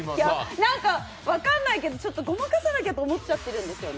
なんか分からないけどごまかさなきゃと思っちゃってるんですよね。